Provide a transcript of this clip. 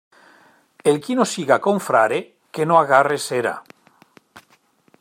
El qui no siga confrare, que no agarre cera.